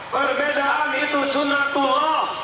perbedaan itu sunatullah